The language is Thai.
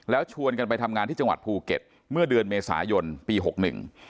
แล้วชวนกันไปทำงานที่จังหวัดภูเก็ตเมื่อเดือนเมษายนปีหกหนึ่ง